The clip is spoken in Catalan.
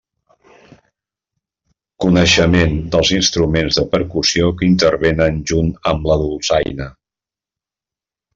Coneixement dels instruments de percussió que intervenen junt amb la dolçaina.